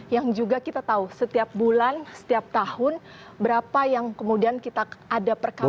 yang juga kita tahu setiap bulan setiap tahun berapa yang kemudian kita ada perkara